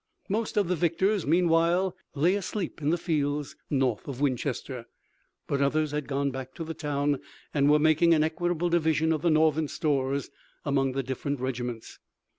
Most of the victors meanwhile lay asleep in the fields north of Winchester, but others had gone back to the town and were making an equitable division of the Northern stores among the different regiments.